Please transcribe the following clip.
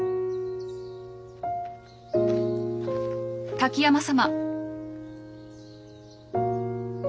滝山様。